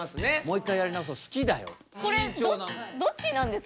これどっちなんですか？